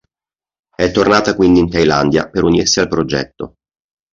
È tornata quindi in Thailandia per unirsi al progetto.